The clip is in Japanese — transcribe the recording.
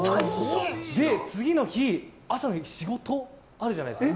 で、次の日、朝に仕事があるじゃないですか。